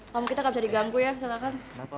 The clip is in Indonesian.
kamu kita gak bisa diganggu ya silahkan